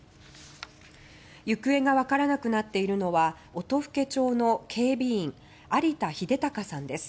行方が分からなくなっているのは音更町の警備員有田英孝さんです。